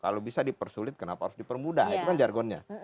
kalau bisa dipersulit kenapa harus dipermudah itu kan jargonnya